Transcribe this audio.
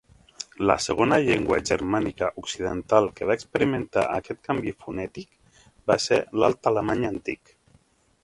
La segona llengua germànica occidental que va experimentar aquest canvi fonètic va ser l'alt alemany antic.